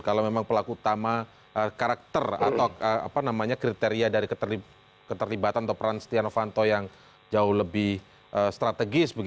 kalau memang pelaku utama karakter atau kriteria dari keterlibatan atau peran setia novanto yang jauh lebih strategis